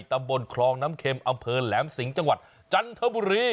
ตำบลคลองน้ำเข็มอำเภอแหลมสิงห์จังหวัดจันทบุรี